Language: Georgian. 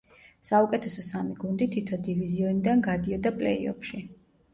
საუკეთესო სამი გუნდი თითო დივიზიონიდან გადიოდა პლეი-ოფში.